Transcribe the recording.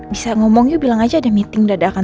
bisa ngomong yuk bilang aja ada meeting dadakan